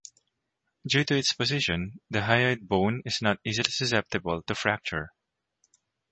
Due to its position, the hyoid bone is not easily susceptible to fracture.